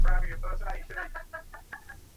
তিনি ইদ্রিসি রাজবংশের প্রতিষ্ঠা করেন।